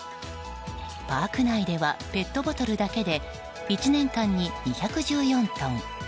パーク内ではペットボトルだけで１年間に２１４トン。